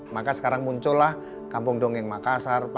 maka sekarang muncullah kampung dongeng makassar